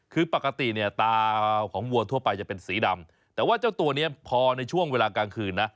คือปกติเนี่ยตาของวัวทั่วไปจะเป็นสีดำแต่ว่าเจ้าตัวนี้พอในช่วงเวลากลางคืนนะ